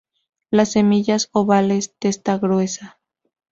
Las semillas ovales, testa gruesa.